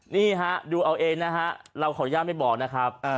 นี่ฮะดูเอาเองนะฮะเราขออนุญาตไม่บอกนะครับ